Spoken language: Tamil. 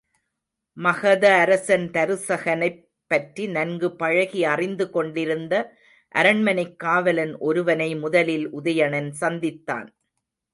மகத அரசன் தருசகனைப் பற்றி நன்கு பழகி அறிந்து கொண்டிருந்த அரண்மனைக் காவலன் ஒருவனை முதலில் உதயணன் சந்தித்தான்.